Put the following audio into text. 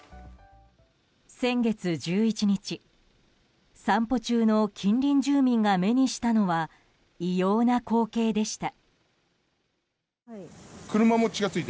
先月１１日散歩中の近隣住人が目にしたのは異様な光景でした。